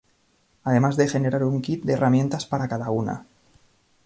además de generar un kit de herramientas para cada una